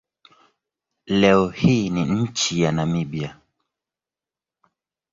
Leo hii ni nchi ya Namibia.